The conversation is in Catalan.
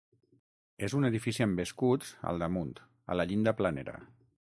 És un edifici amb escuts al damunt, a la llinda planera.